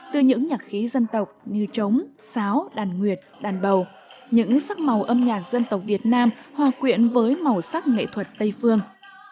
từ những nhạc khí dân tộc như trống sáo đàn nguyệt đàn bầu những sắc màu âm nhạc dân tộc việt nam hòa quyện với màu sắc nghệ thuật tây phương